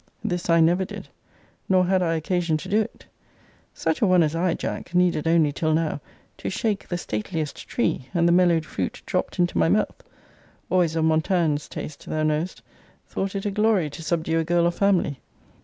This I never did. Nor had I occasion to do it. Such a one as I, Jack, needed only, till now, to shake the stateliest tree, and the mellowed fruit dropt into my mouth: always of Montaigne's taste thou knowest: thought it a glory to subdue a girl of family.